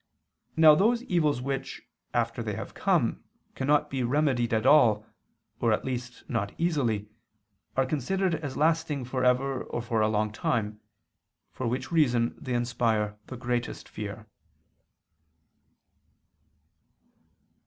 Now those evils which, after they have come, cannot be remedied at all, or at least not easily, are considered as lasting for ever or for a long time: for which reason they inspire the greatest fear.